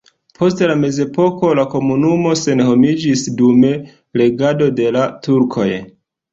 Post la mezepoko la komunumo senhomiĝis dum regado de la turkoj.